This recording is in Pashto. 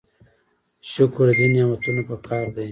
شکر د دې نعمتونو پکار دی.